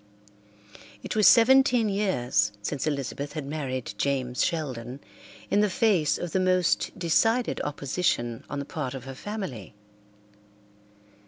It was seventeen years since Elizabeth had married James Sheldon in the face of the most decided opposition on the part of her family.